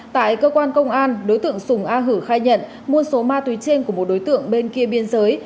tại cơ quan công an đối tượng sùng a hử khai nhận mua số ma túy trên của một đối tượng bên kia biên giới